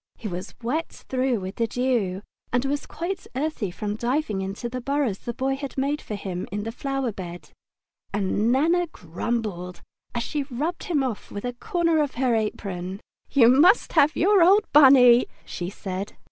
He was wet through with the dew and quite earthy from diving into the burrows the Boy had made for him in the flower bed, and Nana grumbled as she rubbed him off with a corner of her apron. Spring Time "You must have your old Bunny!" she said.